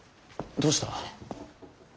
どうした？